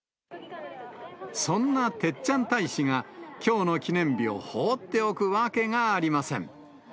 そんな鉄ちゃん大使が、きょうの記念日を放っておくわけがありません。